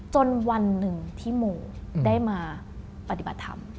จนวันหนึ่งที่โมได้มาปฏิบัติธรรม